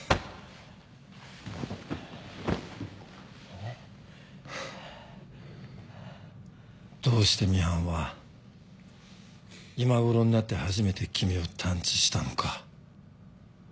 えっ？どうしてミハンは今頃になって初めて君を探知したのか。